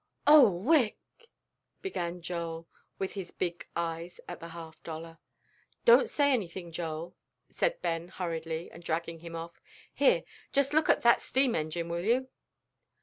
"Oh, whick !" began Joel, with his big eyes at the half dollar. "Don't say anything, Joel," said Ben, hurriedly, and dragging him off; "here, just look at that steam engine, will you?"